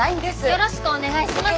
よろしくお願いします。